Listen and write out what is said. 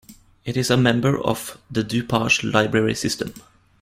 It is a member of the DuPage Library System.